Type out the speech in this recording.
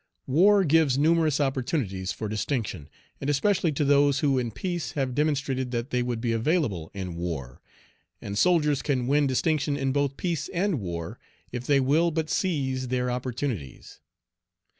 War gives numerous opportunities for distinction, and especially to those who in peace have demonstrated that they would be available in war; and soldiers can win distinction in both peace and war if they will but seize their opportunities.